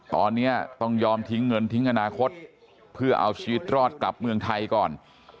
ตอนนี้ต้องยอมทิ้งเงินทิ้งอนาคตเพื่อเอาชีวิตรอดกลับเมืองไทยก่อน